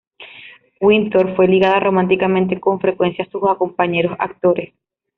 Windsor fue ligada románticamente con frecuencia a sus compañeros actores.